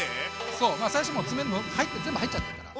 そう最初もう詰めるの全部入っちゃってるから。